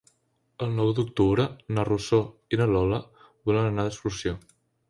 El nou d'octubre na Rosó i na Lola volen anar d'excursió.